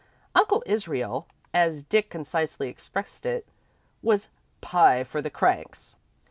Uncle Israel, as Dick concisely expressed it, was "pie for the cranks."